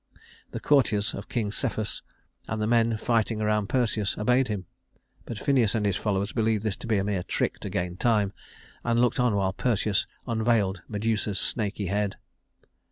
The courtiers of King Cepheus, and the men fighting around Perseus obeyed him; but Phineus and his followers believed this to be a mere trick to gain time, and looked on while Perseus unveiled Medusa's snaky head.